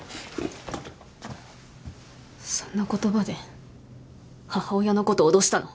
そんな言葉で母親のこと脅したの？